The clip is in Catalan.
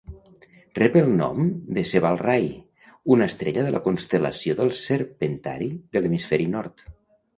Rep el nom per Cebalrai, una estrella de la constel·lació del Serpentari de l'hemisferi nord.